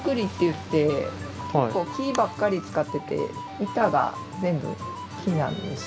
結構木ばっかり使ってて板が全部木なんです。